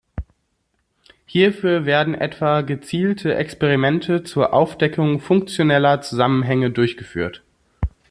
Hierfür werden etwa gezielte Experimente zur Aufdeckung funktioneller Zusammenhänge durchgeführt.